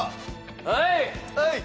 はい！